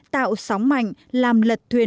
tạo sóng mạnh làm lật thuyền